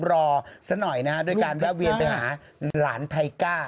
รอสักหน่อยนะฮะโดยการแวะเวียนไปหาหลานไทก้า